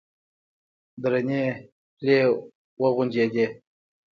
درنې پلې وغنجېدې.